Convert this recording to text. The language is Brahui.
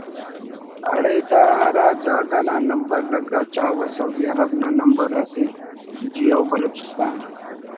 ہڑے دا ہراجاگہ نا نمبر لگا چاوہ سعودی عرب نا نمبر اسے جی ای بلوچستان